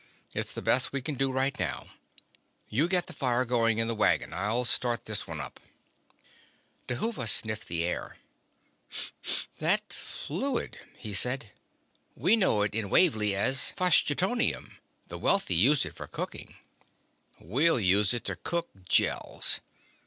It's the best we can do right now. You get the fire going in the wagon; I'll start this one up." Dhuva sniffed the air. "That fluid," he said. "We know it in Wavly as phlogistoneum. The wealthy use it for cooking." "We'll use it to cook Gels."